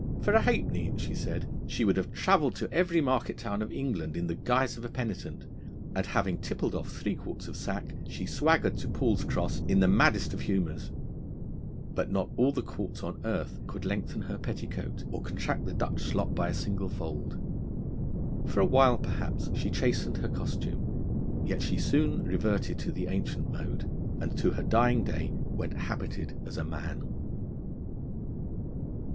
For a halfpenny,' she said, 'she would have travelled to every market town of England in the guise of a penitent,' and having tippled off three quarts of sack she swaggered to Paul's Cross in the maddest of humours. But not all the courts on earth could lengthen her petticoat, or contract the Dutch slop by a single fold. For a while, perhaps, she chastened her costume, yet she soon reverted to the ancient mode, and to her dying day went habited as a man.